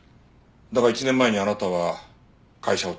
だが１年前にあなたは会社を退職している。